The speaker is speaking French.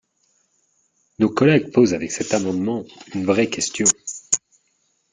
Nos collègues posent avec cet amendement une vraie question.